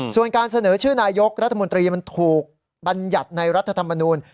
ส่วนการเสนอชื่อนายกรัฐมนตรีมันถูกบรรยัติในรัฐธรรมนูล